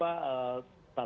yang diperlukan oleh rakyat